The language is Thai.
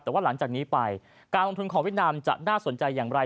แต่ว่าหลังจากนี้ไปการลงทุนของเวียดนามจะน่าสนใจอย่างไร